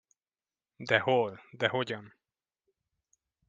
De hol, de hogyan?